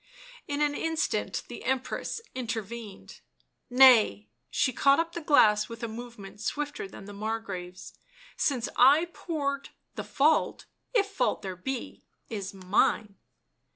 In an instant the Empress intervened. " Nay "— she caught up the glass with a movement swifter than the Margrave's —" since I poured, the fault — if fault there be — is mine."